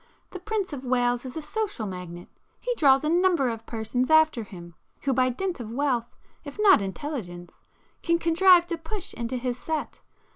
The Prince of Wales is a social magnet,—he draws a number of persons after him who by dint of wealth, if not intelligence, can contrive to 'push' into his set.